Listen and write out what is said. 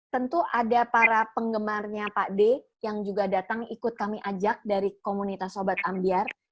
tentu ada para penggemarnya pak d yang juga datang ikut kami ajak dari komunitas sobat ambiar